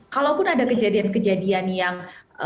kalaupun ada kejadian kejadian yang